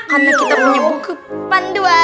karena kita punya buku panduan